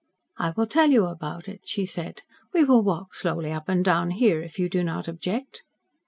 "I will tell you about it," she said. "We will walk slowly up and down here, if you do not object."